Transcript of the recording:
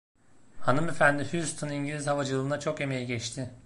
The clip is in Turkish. Hanımefendi Houston İngiliz havacılığına çok emeği geçti.